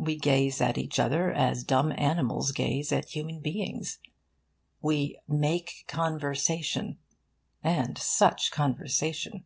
We gaze at each other as dumb animals gaze at human beings. We 'make conversation' and such conversation!